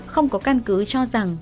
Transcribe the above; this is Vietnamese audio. không có căn cứ cho rằng